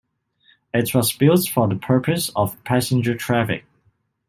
It was built for the purpose of passenger traffic.